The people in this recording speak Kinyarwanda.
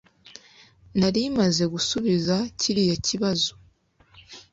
Nari maze gusubiza kiriya kibazo